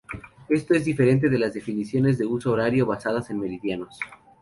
Esto es diferente de las definiciones de huso horario basadas en meridianos.